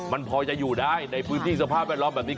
มันพอจะอยู่ได้ในพื้นที่สภาพแวดล้อมแบบนี้